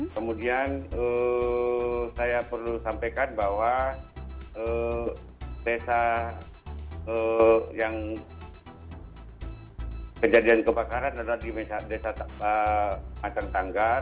kemudian saya perlu sampaikan bahwa desa yang kejadian kebakaran adalah di desa matang sanggar